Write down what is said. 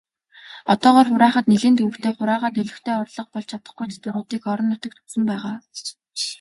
Одоогоор хураахад нэлээн төвөгтэй, хураагаад олигтой орлого болж чадахгүй татваруудыг орон нутагт өгсөн байгаа.